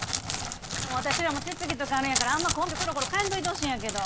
私らも手続きとかあるんやからあんまコンビころころ変えんといてほしいんやけど。